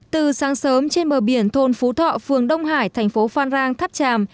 từ sáng sớm trên bờ biển thôn phú thọ phường đông hải thành phố phan rang tháp tràm